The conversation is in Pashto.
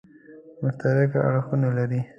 مشترک اړخونه لري.